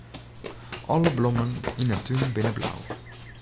Alle blommen yn 'e tún binne blau.